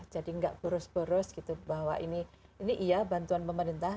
jadi tidak boros boros bahwa ini iya bantuan pemerintah